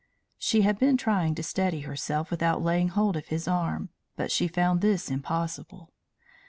She had been trying to steady herself without laying hold of his arm. But she found this impossible.